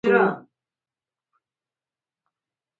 پاچا خپلو خلکو ته په درنه سترګه نه ګوري .